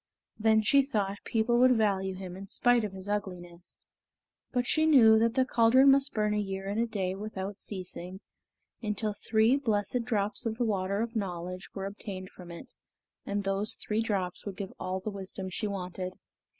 Then she thought people would value him in spite of his ugliness. But she knew that the caldron must burn a year and a day without ceasing, until three blessed drops of the water of knowledge were obtained from it; and those three drops would give all the wisdom she wanted.